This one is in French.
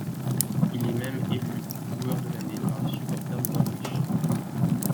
Il est même élu joueur de l'année par les supporters de Norwich.